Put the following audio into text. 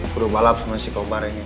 aku mau balap sama si kobar ini